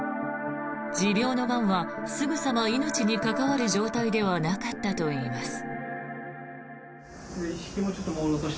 持病のがんはすぐさま命に関わる状態ではなかったといいます。